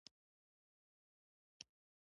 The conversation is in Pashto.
د اغه قطبي يږ د لاسه.